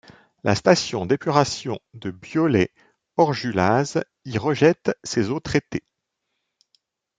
La station d'épuration de Bioley-Orjulaz y rejette ses eaux traitées.